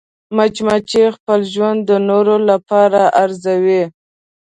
مچمچۍ خپل ژوند د نورو لپاره ارزوي